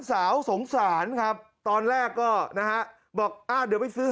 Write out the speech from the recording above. สาวสงสารครับตอนแรกก็นะฮะบอกอ่าเดี๋ยวไปซื้อ